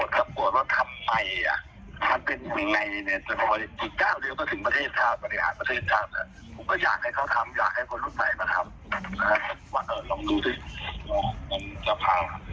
ทำเป็นยังไงเนี่ยแต่พออีกเก้าเดียวก็ถึงประเทศชาติประหลาดประเทศชาติอ่ะ